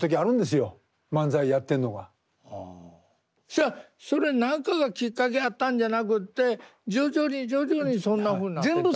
じゃあそれ何かがきっかけやったんじゃなくって徐々に徐々にそんなふうになってった。